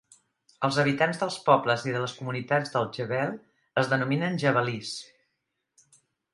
Els habitants dels pobles i de les comunitats del jebel es denominen "jebalís"